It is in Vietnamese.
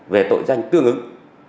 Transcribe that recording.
về tội danh tương ứng